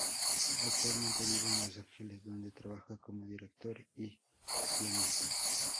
Actualmente vive en Los Ángeles, donde trabaja como director y guionista.